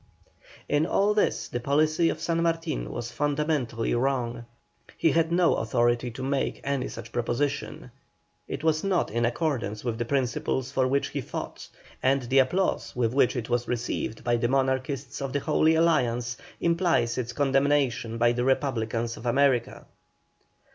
In all this the policy of San Martin was fundamentally wrong. He had no authority to make any such proposition. It was not in accordance with the principles for which he fought, and the applause with which it was received by the Monarchists of the Holy Alliance, implies its condemnation by the Republicans of America.